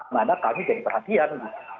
mana kami jadi perhatian